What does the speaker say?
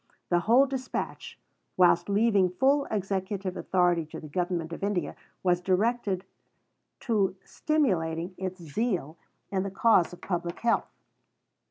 The whole dispatch, whilst leaving full executive authority to the Government of India, was directed to stimulating its zeal in the cause of Public Health.